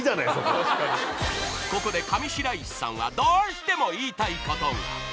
［ここで上白石さんはどうしても言いたいことが］